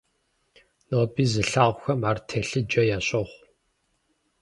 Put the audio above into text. Ноби зылъагъухэм ар телъыджэ ящохъу.